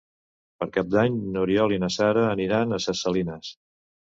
Per Cap d'Any n'Oriol i na Sara aniran a Ses Salines.